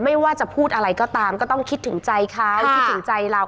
ไม่ว่าจะพูดอะไรก็ตามก็ต้องคิดถึงใจเขาคิดถึงใจเรา